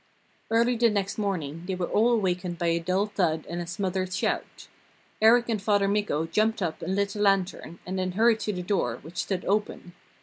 Early the next morning they were all awakened by a dull thud and a smothered shout. Erik and Father Mikko jumped up and lit a lantern, and then hurried to the door, which stood open.